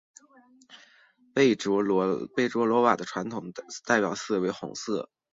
贝卓罗瓦的传统代表色为红色。